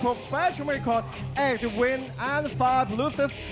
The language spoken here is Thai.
และมีรายละเอียดวินและฟ้าบลูซิส